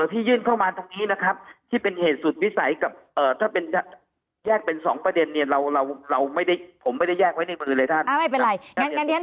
ที่ยื่นเข้ามาทั้งนี้นะครับที่เป็นเหตุสุดวิสัยกับถ้าแยกเป็น๒ประเด็น